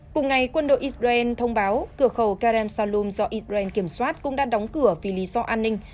cùng ngày quân đội israel thông báo cửa khẩu kerem saloum do israel kiểm soát cũng đã đóng cửa vì lý do an ninh